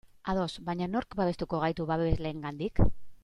Ados, baina nork babestuko gaitu babesleengandik?